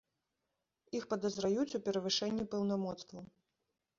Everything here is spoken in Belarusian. Іх падазраюць у перавышэнні паўнамоцтваў.